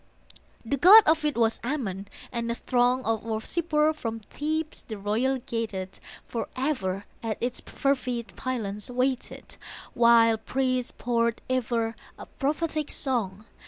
The god of it was Ammon, and a throng Of worshippers from Thebes the royal gated Forever at its fervid pylons waited While priests poured ever a prophetic song.